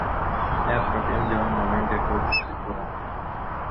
Ne apropiem de un moment de cotitură.